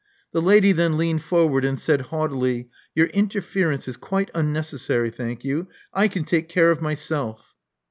The lady then leaned forward and said haughtily, Your interference is quite unnecessary, thank you. I can take care of myself."